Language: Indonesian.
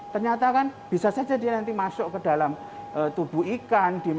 ternyata kan bisa saja dia nanti masuk ke dalam tubuh ikan